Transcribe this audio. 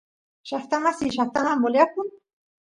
llaqtamasiy llaqtaman voliyakun